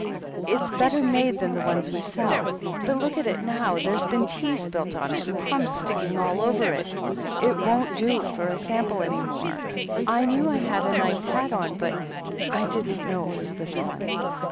It's better made than the ones we sell. But look at it now. There's been tea spilt on it, and crumbs sticking all over it. It won't do for a sample any more. I knew I had a nice hat on, but I didn't know it was this one."